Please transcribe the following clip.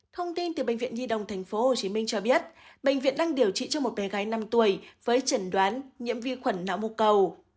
thông tin từ bệnh viện nhi đồng tp hcm cho biết bệnh viện đang điều trị cho một bé gái năm tuổi với trần đoán nhiễm vi khuẩn não mục cầu